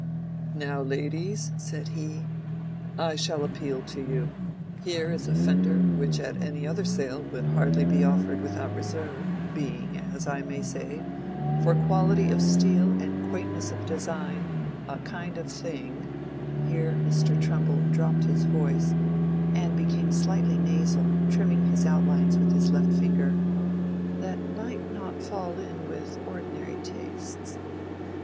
"Now, ladies," said he, "I shall appeal to you. Here is a fender which at any other sale would hardly be offered with out reserve, being, as I may say, for quality of steel and quaintness of design, a kind of thing"—here Mr. Trumbull dropped his voice and became slightly nasal, trimming his outlines with his left finger—"that might not fall in with ordinary tastes.